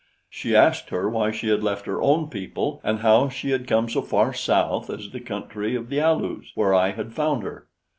She asked her why she had left her own people and how she had come so far south as the country of the Alus, where I had found her.